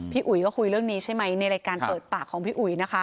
อุ๋ยก็คุยเรื่องนี้ใช่ไหมในรายการเปิดปากของพี่อุ๋ยนะคะ